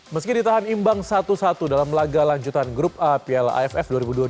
meski ditahan imbang satu satu dalam laga lanjutan grup a piala aff dua ribu dua puluh